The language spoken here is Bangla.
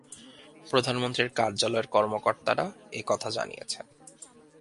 প্রধানমন্ত্রীর কার্যালয়ের কর্মকর্তারা এ কথা জানিয়েছেন।